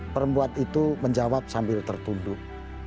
perempuan itu menjawab sambil tertunduk